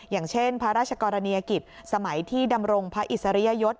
อย่างเช่นพระราชกรณียกิจสมัยที่ดำรงพระอิสริยยศ